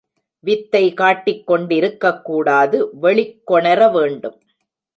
வித்தை காட்டிக் கொண் டிருக்கக் கூடாது வெளிக் கொணர வேண்டும்.